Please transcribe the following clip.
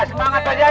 semangat pak jaya